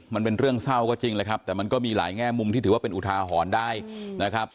มันเป็นเรื่องเศร้าก็จริงแหละครับแต่มันก็มีหลายแง่มุมที่ถือว่าเป็นอุทาหรณ์ได้นะครับ